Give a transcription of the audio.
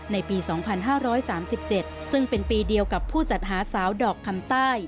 ในปี๒๕๓๗ซึ่งเป็นปีเดียวกับผู้จัดหาสาวดอกคำใต้